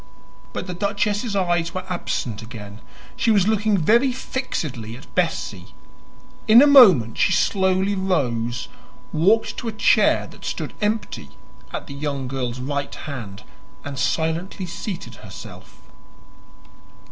But the duchess's eyes were absent again; she was looking very fixedly at Bessie. In a moment she slowly rose, walked to a chair that stood empty at the young girl's right hand, and silently seated herself.